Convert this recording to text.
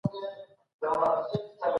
لرغوني آثار مو باید غلا او قاچاق نه سي.